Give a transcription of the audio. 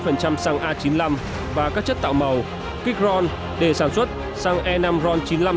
bốn mươi xăng a chín mươi năm và các chất tạo màu kích ron để sản xuất xăng e năm ron chín mươi năm giả